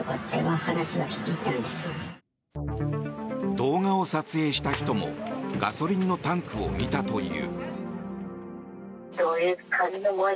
動画を撮影した人もガソリンのタンクを見たという。